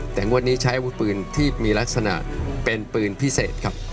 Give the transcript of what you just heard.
แต่งวดนี้ใช้อาวุธปืนที่มีลักษณะเป็นปืนพิเศษครับ